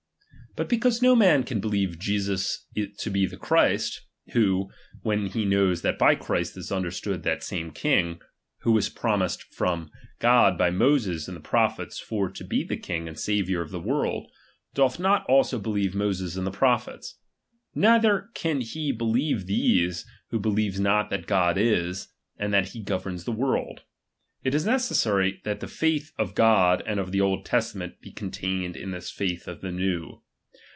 But because no man can believe Jesus to be the Christ, who, when he knows that by Christ is understood that same king, who was promised from God by Moses and the prophets for to be the king and Saviour of the world, doth not also believe Moses and the prophets ; neither can he believe these, who believes not that God is, and that Jie goeer7is the world ; it is necessary, that the faith of God and of the Old Testament be contained in this faith of the New.